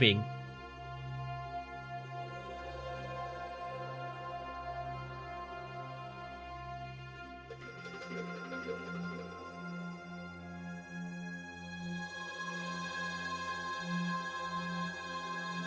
một ngày sau